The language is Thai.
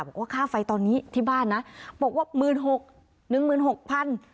บอกว่าค่าไฟตอนนี้ที่บ้านนะบอกว่าหมื่นหกหนึ่งหมื่นหกพัน